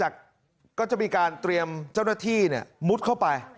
แต่ก็จะมีการเตรียมเจ้าหน้าที่มุดเข้าไป